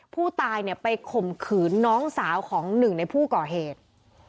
ผู้ตายเนี่ยไปข่มขืนน้องสาวของหนึ่งในผู้ก่อเหตุ